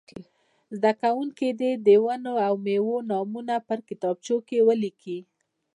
زده کوونکي دې د ونو او مېوو نومونه په کتابچه کې ولیکي.